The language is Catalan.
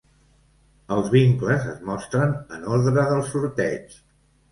Els vincles es mostren en ordre del sorteig.